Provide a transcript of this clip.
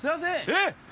えっ！